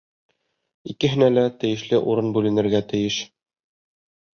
Икеһенә лә тейешле урын бүленергә тейеш.